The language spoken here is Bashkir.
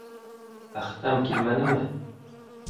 Әхтәм килмәнеме?